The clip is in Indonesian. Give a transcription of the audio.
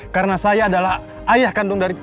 karena saya adalah ayah kandung dari